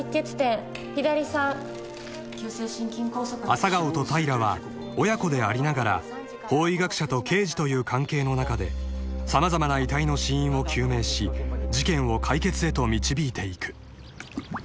［朝顔と平は親子でありながら法医学者と刑事という関係の中で様々な遺体の死因を究明し事件を解決へと導いていく］